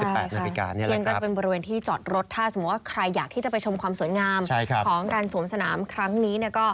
ใช่ค่ะเที่ยงก็จะเป็นบริเวณที่จอดรถถ้าสมมุติว่าใครอยากที่จะไปชมความสวยงามของการสวมสนามครั้งนี้